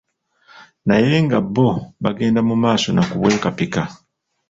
Naye nga bo bagenda mu maaso nakubwekapika.